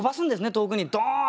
遠くにドーンと。